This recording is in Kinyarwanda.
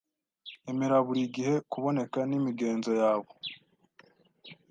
Emera buri gihe kuboneka n'imigenzo yabo